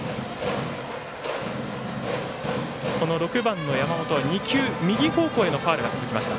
６番の山本は右方向へのファウルが続きました。